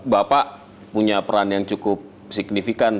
bapak punya peran yang cukup signifikan